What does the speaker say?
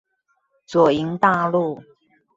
左營大路